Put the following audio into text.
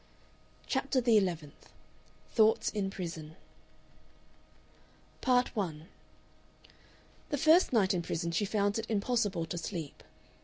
CHAPTER THE ELEVENTH THOUGHTS IN PRISON Part 1 The first night in prison she found it impossible to sleep.